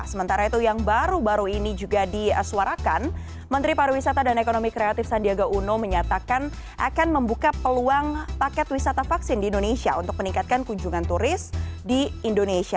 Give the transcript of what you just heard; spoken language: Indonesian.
sementara itu yang baru baru ini juga disuarakan menteri pariwisata dan ekonomi kreatif sandiaga uno menyatakan akan membuka peluang paket wisata vaksin di indonesia untuk meningkatkan kunjungan turis di indonesia